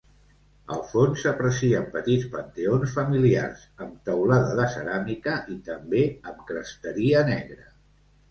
Al fons, s'aprecien petits panteons familiars, amb teulada de ceràmica i també amb cresteria negra.